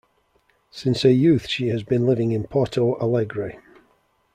Since her youth she has been living in Porto Alegre.